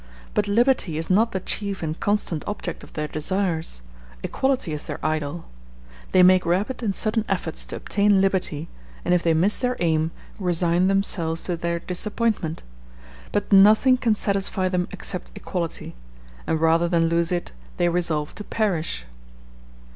But liberty is not the chief and constant object of their desires; equality is their idol: they make rapid and sudden efforts to obtain liberty, and if they miss their aim resign themselves to their disappointment; but nothing can satisfy them except equality, and rather than lose it they resolve to perish.